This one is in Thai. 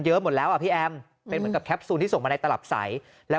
หมดแล้วอ่ะพี่แอมเป็นเหมือนกับแคปซูลที่ส่งมาในตลับใสแล้ว